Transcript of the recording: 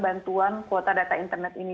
bantuan kuota data internet ini